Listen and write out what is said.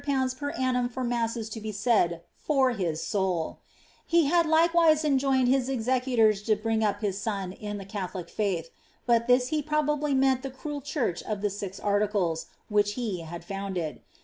per ai for masses lo be said for his soul I lie had likewise enjoined his e rulors to bring up his eon in the Catholic failh ; by (his he probaUf meARt the cruel church of the six articles, whieh he bad founded.